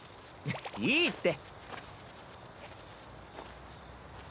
いいって。